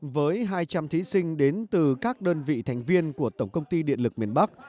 với hai trăm linh thí sinh đến từ các đơn vị thành viên của tổng công ty điện lực miền bắc